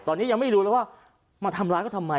ตอนนี้ยังไม่รู้แล้วว่ามาทำร้ายเขาทำไม